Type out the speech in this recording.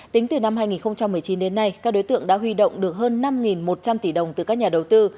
tính từ năm hai nghìn một mươi chín đến nay các đối tượng đã huy động được hơn năm một trăm linh tỷ đồng từ các nhà đầu tư